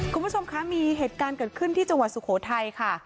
คุณผู้ชมคะมีเหตุการณ์เกิดขึ้นที่จังหวัดสุโขทัยค่ะ